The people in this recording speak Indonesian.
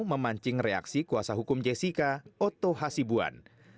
memancing reaksi kuasa hukum jessica oto hasibuan